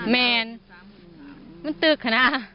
มันตึกหรอนะ